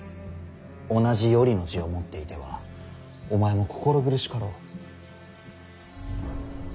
同じ「頼」の字を持っていてはお前も心苦しかろう。